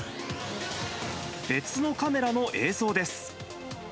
別のカメラの映像です。